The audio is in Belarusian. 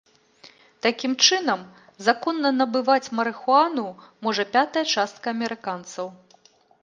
Такім чынам, законна набываць марыхуану можа пятая частка амерыканцаў.